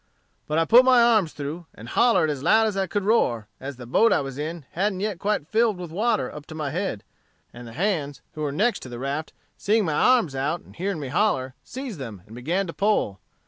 But I put my arms through, and hollered as loud as I could roar, as the boat I was in hadn't yet quite filled with water up to my head; and the hands who were next to the raft, seeing my arms out, and hearing me holler, seized them, and began to pull.